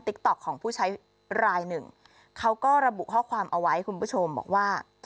ต๊อกของผู้ใช้รายหนึ่งเขาก็ระบุข้อความเอาไว้คุณผู้ชมบอกว่า